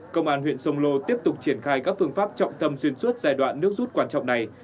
công an huyện sông lô tiếp tục triển khai các phương pháp trọng tâm xuyên suốt giai đoạn nước rút quan trọng này